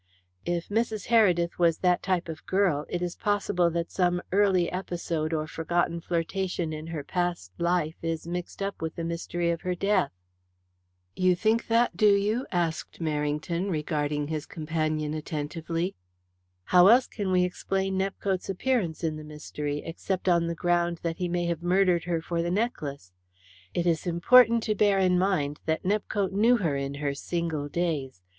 "If Mrs. Heredith was that type of girl, it is possible that some early episode or forgotten flirtation in her past life is mixed up with the mystery of her death." "You think that, do you?" asked Merrington regarding his companion attentively. "How else can we explain Nepcote's appearance in the mystery, except on the ground that he may have murdered her for the necklace? It is important to bear in mind that Nepcote knew her in her single days.